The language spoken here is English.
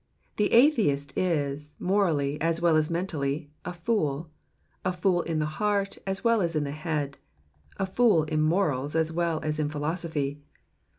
The atheist is, morally as well as mentally, a fool, a fool in the heart as well as in the head ; a fool in morals as well as in philosophy.